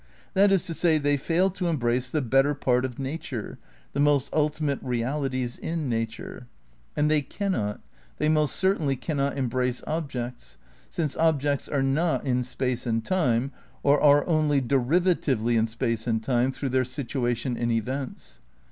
That is to say, they fail to embrace the better part of nature, the most ultimate realities in nature. And they Ill THE CRITICAL PREPARATIONS 95 cannot, they most certainly cannot embrace objects, since objects are not in space and time, or are only de rivatively in space and time through their "situation" in events.